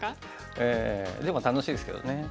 ええでも楽しいですけどね。